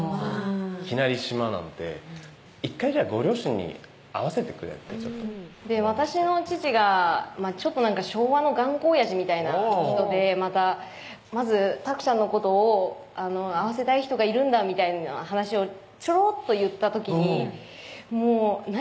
いきなり島なんて「１回ご両親に会わせてくれ」ってちょっと私の父が昭和の頑固おやじみたいな人でまずたくちゃんのことを「会わせたい人がいるんだ」みたいな話をちょろっと言った時に「何？